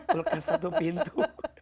belkas satu pintu